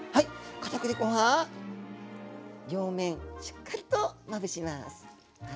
かたくり粉は両面しっかりとまぶします。